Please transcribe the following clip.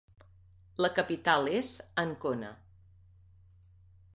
La capital és Ancona.